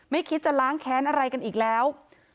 คิดจะล้างแค้นอะไรกันอีกแล้ว